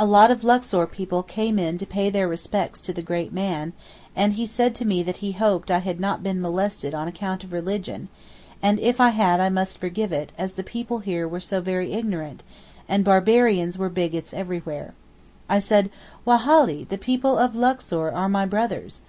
A lot of Luxor people came in to pay their respects to the great man, and he said to me that he hoped I had not been molested on account of religion, and if I had I must forgive it, as the people here were so very ignorant, and barbarians were bigots everywhere. I said, 'Wallahy, the people of Luxor are my brothers!